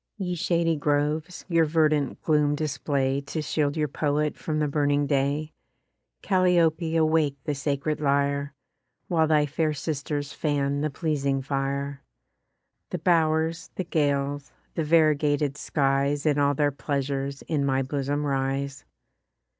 Ye shady groves, your verdant gloom display To shield your poet from the burning day; Calliope awake the sacred lyre, While thy fair sisters fan the pleasing fire: The bow'rs, the gales, the variegated skies In all their pleasures in my bosom rise.